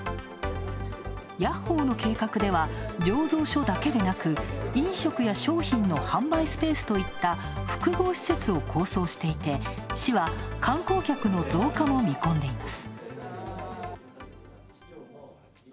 ヤッホーの計画では、醸造所だけではなく飲食や商品の販売スペースといった複合施設を構想していて市は観光客の増加を見込んでいます。